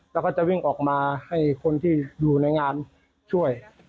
แล้วก็จะวิ่งออกมาให้คนที่อยู่ในงานช่วย